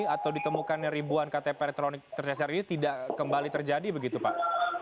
atau ditemukannya ribuan ktp elektronik tercecar ini tidak kembali terjadi begitu pak